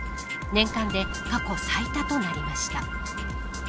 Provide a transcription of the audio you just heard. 年間で過去最多となりました。